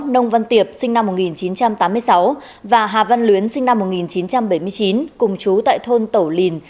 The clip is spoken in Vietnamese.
nông văn tiệp sinh năm một nghìn chín trăm tám mươi sáu và hà văn luyến sinh năm một nghìn chín trăm bảy mươi chín cùng chú tại thôn tổ lìn